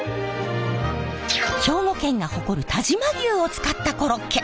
兵庫県が誇る但馬牛を使ったコロッケ。